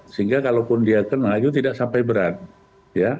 sehingga kalaupun dia kena itu tidak sampai berat ya